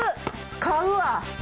買うわ。